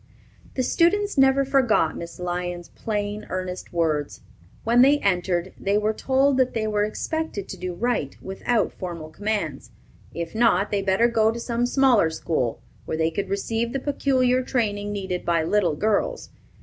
The students never forgot Miss Lyon's plain, earnest words. When they entered, they were told that they were expected to do right without formal commands; if not, they better go to some smaller school, where they could receive the peculiar training needed by little girls.